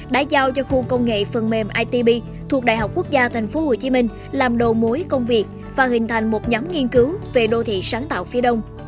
đã giao cho khu công nghệ phần mềm itb thuộc đại học quốc gia tp hcm làm đầu mối công việc và hình thành một nhóm nghiên cứu về đô thị sáng tạo phía đông